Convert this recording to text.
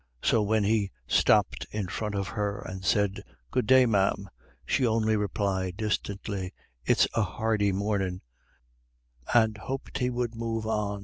So when he stopped in front of her and said, "Good day, ma'am," she only replied distantly, "It's a hardy mornin'," and hoped he would move on.